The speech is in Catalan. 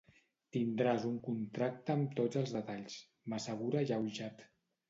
Tindràs un contracte amb tots els detalls —m'assegura alleujat.